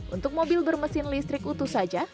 untuk mobil bermesin listrik utuh saja